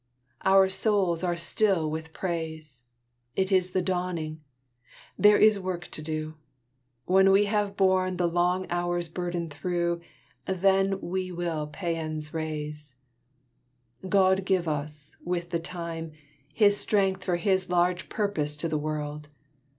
Our souls are still with praise! It is the dawning; there is work to do: When we have borne the long hours' burden through, Then we will pæans raise. God give us, with the time, His strength for His large purpose to the world!